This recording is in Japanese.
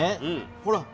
ほら。